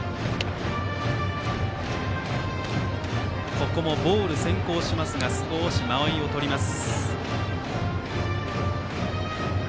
ここもボール先行しますが少し間合いをとります。